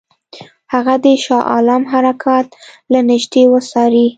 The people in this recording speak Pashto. هغه دې د شاه عالم حرکات له نیژدې وڅاري.